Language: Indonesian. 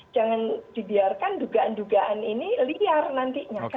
jangan dibiarkan dugaan dugaan ini liar nantinya kan gitu